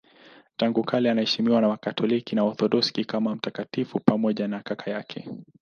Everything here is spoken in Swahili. Tangu kale anaheshimiwa na Wakatoliki na Waorthodoksi kama mtakatifu pamoja na kaka yake.